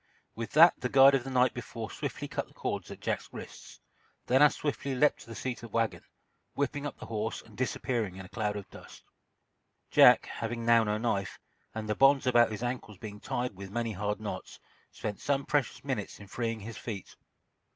With that the guide of the night before swiftly cut the cords at Jack's wrists, then as swiftly leaped to the seat of the wagon, whipping up the horse and disappearing in a cloud of dust. Jack, having now no knife, and the bonds about his ankles being tied with many hard knots, spent some precious minutes in freeing his feet.